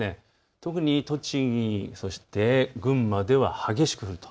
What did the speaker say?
特に栃木、群馬では激しく降ると。